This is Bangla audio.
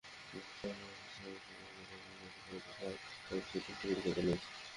বার্তা সংস্থা এএফপিকে ফেসবুক কর্তৃপক্ষ বলেছে, ফ্রান্সে আমরা একটি ছোট পরীক্ষা চালাচ্ছি।